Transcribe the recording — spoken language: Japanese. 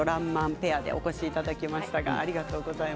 ペアでお越しいただきました。